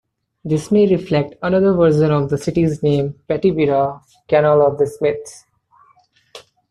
This may reflect another version of the city's name, Patibira, "Canal of the Smiths".